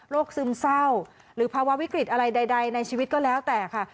ซึมเศร้าหรือภาวะวิกฤตอะไรใดในชีวิตก็แล้วแต่ค่ะ